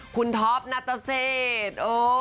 คุณท็อปนัตตเศษ